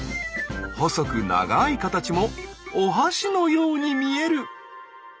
細く長い形もお箸のように見える。